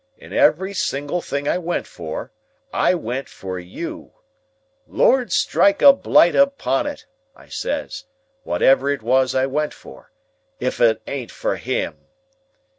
In every single thing I went for, I went for you. 'Lord strike a blight upon it,' I says, wotever it was I went for, 'if it ain't for him!